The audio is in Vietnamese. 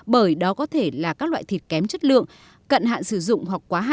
bởi đó có thể là các loại thịt kém chất lượng cận hạn sử dụng hoặc quá hạn